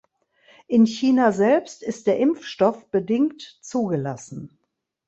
In China selbst ist der Impfstoff bedingt zugelassen.